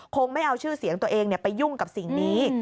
ไม่เอาชื่อเสียงตัวเองไปยุ่งกับสิ่งนี้